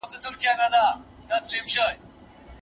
آیا پسونه تر وزو ډېر وړۍ لري؟